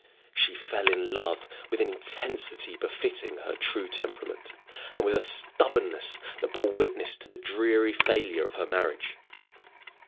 She fell in love with an intensity befitting her true temperament, and with a stubbornness that bore witness to the dreary failure of her marriage.